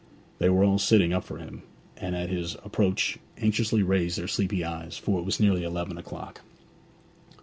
They were all sitting up for him, and at his approach anxiously raised their sleepy eyes, for it was nearly eleven o'clock.